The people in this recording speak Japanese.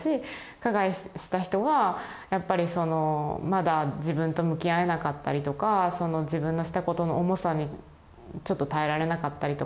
加害した人がやっぱりそのまだ自分と向き合えなかったりとかその自分のしたことの重さにちょっと耐えられなかったりとか。